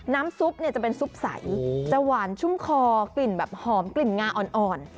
ซุปเนี่ยจะเป็นซุปใสจะหวานชุ่มคอกลิ่นแบบหอมกลิ่นงาอ่อน